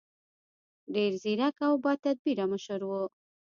ډېر ځیرک او باتدبیره مشر و.